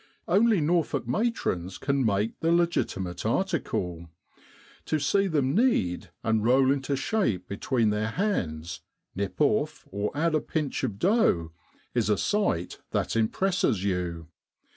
Only Norfolk matrons can make the legitimate article to see them knead, and roll into shape between their hands, nip off or add a pinch of dough is a sight that impresses you.